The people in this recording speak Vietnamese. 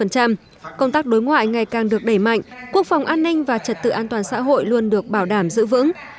công tác đối ngoại ngày càng được đẩy mạnh quốc phòng an ninh và trật tự an toàn xã hội luôn được bảo đảm giữ vững